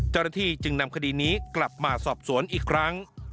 เจรฐีจึงนำคดีนี้กลับมาสอบสวนอีกครั้ง